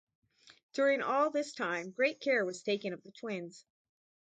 During all this time great care was taken of the twins.